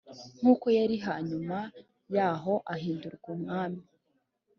Nkuko yari hanyuma yaho ahindurwa umwami